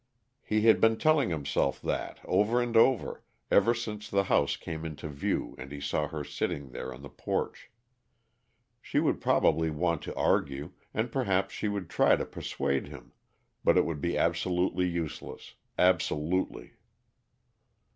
He had been telling himself that, over and over, ever since the house came into view and he saw her sitting there on the porch. She would probably want to argue, and perhaps she would try to persuade him, but it would be absolutely useless; absolutely.